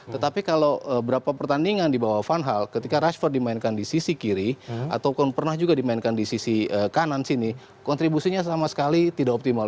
tetapi kalau beberapa pertandingan di bawah van halal ketika rashford dimainkan di sisi kiri ataupun pernah juga dimainkan di sisi kanan sini kontribusinya sama sekali tidak optimal